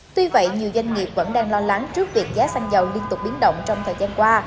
tuy vậy nhiều doanh nghiệp vẫn đang lo lắng trước việc giá xăng dầu liên tục biến động trong thời gian qua